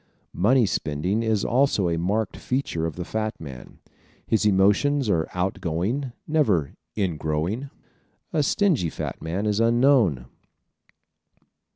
Money spending is also a marked feature of the fat man. His emotions are out going, never "in growing." A stingy fat man is unknown.